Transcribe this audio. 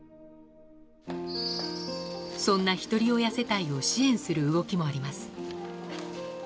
そんなひとり親世帯を支援する動きもあります。